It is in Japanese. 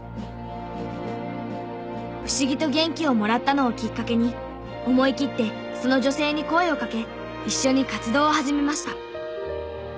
不思議と元気をもらったのをきっかけに思いきってその女性に声をかけ一緒に活動を始めました。